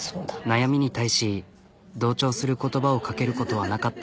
悩みに対し同調する言葉をかけることはなかった。